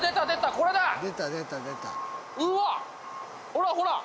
ほらほらっ。